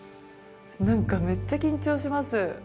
何かめっちゃ緊張します。